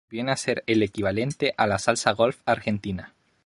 Viene a ser el equivalente a la salsa golf argentina.